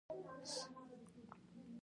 ازادي راډیو د د بیان آزادي وضعیت انځور کړی.